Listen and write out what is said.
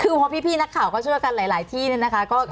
คือพอพี่นักข่าวก็ช่วยกันหลายที่เนี่ยนะคะ